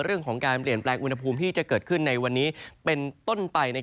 เรื่องของการเปลี่ยนแปลงอุณหภูมิที่จะเกิดขึ้นในวันนี้เป็นต้นไป